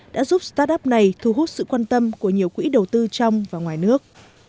đã giúp start up này thu hút sự quan tâm của nhiều quỹ đầu tư trong và ngoài nước